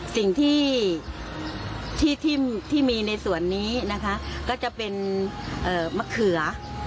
สิ่งที่ที่มีในส่วนนี้นะคะก็จะเป็นมะเขือ